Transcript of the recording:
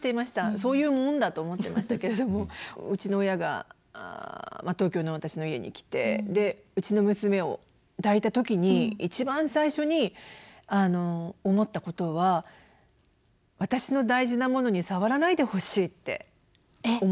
そういうもんだと思ってましたけれどもうちの親が東京の私の家に来てでうちの娘を抱いた時に一番最初に思ったことは私の大事なものに触らないでほしいって思ったんですね。